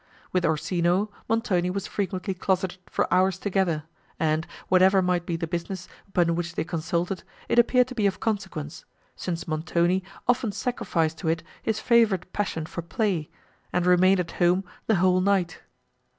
With Orsino, Montoni was frequently closeted for hours together, and, whatever might be the business, upon which they consulted, it appeared to be of consequence, since Montoni often sacrificed to it his favourite passion for play, and remained at home the whole night.